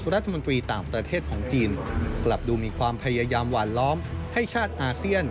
รัฐมนตรีต่างประเทศของจีนกลับดูมีความพยายามหวานล้อมให้ชาติอาเซียน